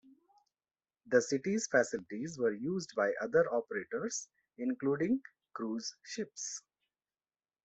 The City's facilities were used by other operators including cruise ships.